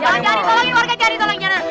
jangan jangan ditolongin warga jangan ditolongin